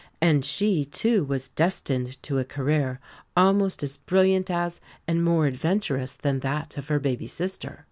And she, too, was destined to a career, almost as brilliant as, and more adventurous than that of her baby sister.